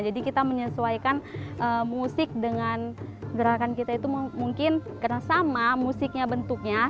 jadi kita menyesuaikan musik dengan gerakan kita itu mungkin karena sama musiknya bentuknya